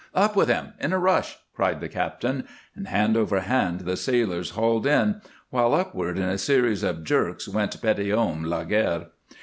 "Up with him! In a rush!" cried the captain, and hand over hand the sailors hauled in, while upward in a series of jerks went Petithomme Laguerre.